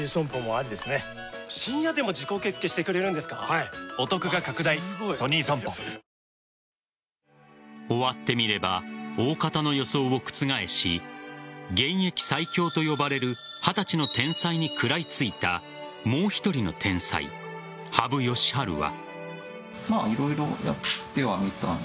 こういうのがうめぇ「ニッポンのシン・レモンサワー」うめぇ終わってみれば大方の予想を覆し現役最強と呼ばれる二十歳の天才に食らいついたもう１人の天才、羽生善治は。